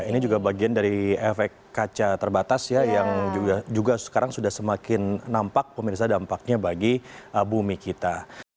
ini juga bagian dari efek kaca terbatas ya yang juga sekarang sudah semakin nampak pemirsa dampaknya bagi bumi kita